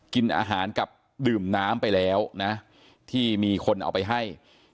กินอาหารกับดื่มน้ำไปแล้วนะที่มีคนเอาไปให้